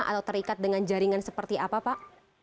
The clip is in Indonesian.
atau terikat dengan jaringan seperti apa pak